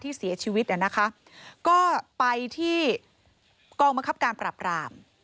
ที่เสียชีวิตน่ะนะคะก็ไปที่กล้องมะครับการปรับราม